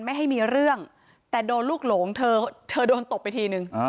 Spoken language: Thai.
ไม่ให้มีเรื่องแต่โดนลูกหลงเธอเธอโดนตบไปทีนึง